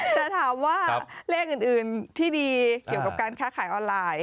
แต่ถามว่าเลขอื่นที่ดีเกี่ยวกับการค้าขายออนไลน์